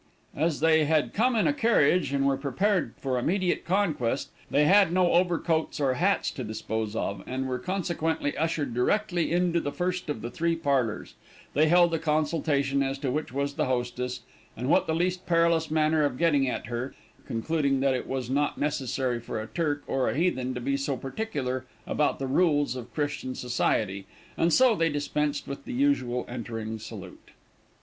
As they had come in a carriage and were prepared for immediate conquest, they had no overcoats or hats to dispose of, and were consequently ushered directly into the first of the three parlors, they held a consultation as to which was the hostess; and what the least perilous manner of getting at her, concluded that it was not necessary for a Turk or a Heathen to be so particular about the rules of Christian society, and so they dispensed with the usual entering salute.